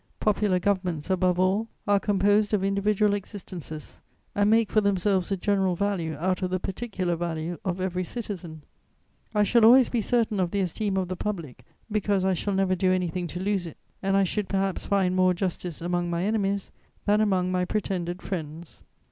Popular governments, above all, are composed of individual existences and make for themselves a general value out of the particular value of every citizen. I shall always be certain of the esteem of the public, because I shall never do anything to lose it, and I should perhaps find more justice among my enemies than among my pretended friends.